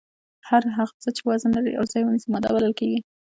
هر هغه څه چې وزن ولري او ځای ونیسي ماده بلل کیږي.